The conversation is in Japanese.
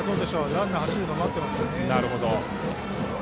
ランナーは走るのを待っていますよね。